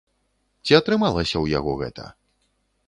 Ці атрымалася ў яго гэта?